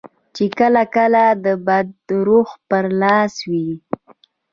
چې کله کله د بد روح پر لاس وي.